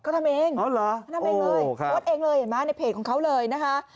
เขาทำเองอ๋อเหรอทำเองเลยโพสต์เองเลยเห็นไหมในเพจของเขาเลยนะคะ